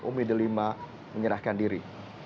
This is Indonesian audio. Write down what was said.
umi delima menyerahkan diri